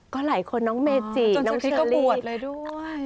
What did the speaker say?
ก็หลายคนน้องเมจิน้องเชอร์รีจนชาคริสต์ก็บวชเลยด้วย